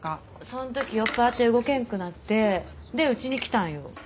そんとき酔っ払って動けんくなってでうちに来たんよ。